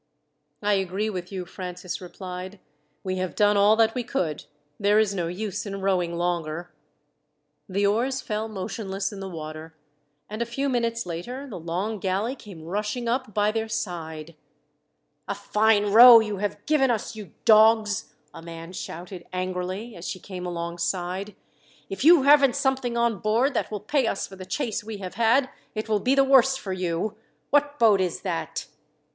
"I agree with you," Francis replied. "We have done all that we could. There is no use in rowing longer." The oars fell motionless in the water, and a few minutes later the long galley came rushing up by their side. "A fine row you have given us, you dogs!" a man shouted angrily as she came alongside. "If you haven't something on board that will pay us for the chase we have had, it will be the worse for you. What boat is that?"